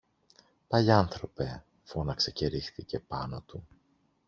Παλιάνθρωπε! φώναξε και ρίχθηκε πάνω του